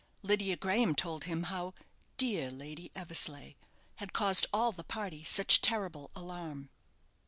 Lydia Graham told him how "dear Lady Eversleigh" had caused all the party such terrible alarm.